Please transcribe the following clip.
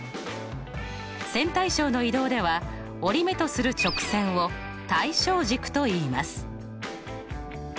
線対称の移動では折り目とする直線を対称軸といいます。